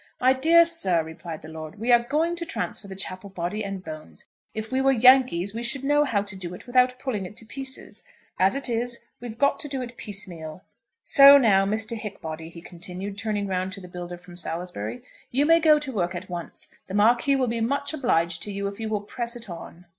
"My dear sir," replied the lord, "we are going to transfer the chapel body and bones. If we were Yankees we should know how to do it without pulling it in pieces. As it is, we've got to do it piecemeal. So now, Mr. Hickbody," he continued, turning round to the builder from Salisbury, "you may go to work at once. The Marquis will be much obliged to you if you will press it on."